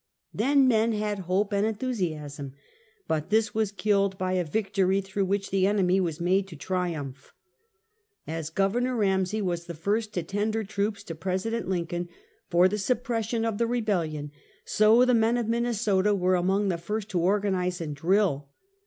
Then men had hope and enthusiasm, but this was killed by a victory through which the enemy was made to triumph. As Gov. Ramsey was the first to tender troops to President Lincoln for the suppression of the Rebel lion, so the men of Minnesota were among the first to organize and drill.